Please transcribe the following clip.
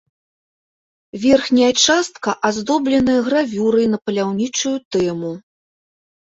Верхняя частка аздобленая гравюрай на паляўнічую тэму.